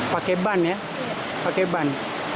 pake ban ya pake ban